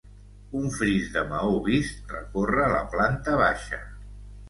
Un fris de maó vist recorre la planta baixa.